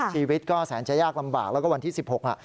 ชีวิตก็แสนจะยากลำบากแล้วก็วันที่๑๖